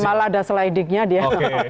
malah ada slidingnya dia